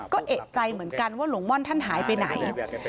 ก็เอกใจเหมือนกันว่าหลวงม่อนท่านหายไปไหน